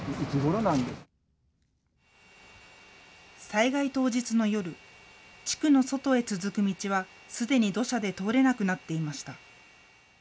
災害当日の夜、地区の外へ続く道はすでに土砂で通れなくなっていました。